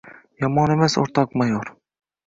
— Yomon emas, o‘rtoq mayor…